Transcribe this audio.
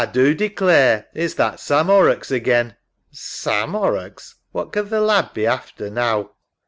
A do declare it's that Sam Horrocks again. SARAH. Sam Horrocks! What can th' lad be after now?